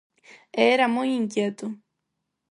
E era moi inquieto.